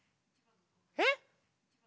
えっ？